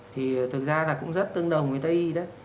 thì thực ra là cũng rất tương đồng với tây y đó